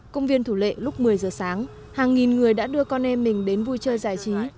công viên thủ lệ lúc một mươi giờ sáng hàng nghìn người đã đưa con em mình đến vui chơi giải trí